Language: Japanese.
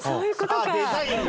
あっデザインが。